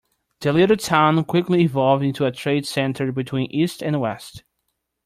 The little town quickly evolved into a trade center between east and west.